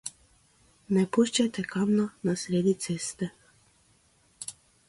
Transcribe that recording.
Ne puščajte kamna na sredi ceste.